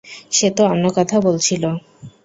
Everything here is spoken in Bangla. সে তো অন্য কথা বলছিল।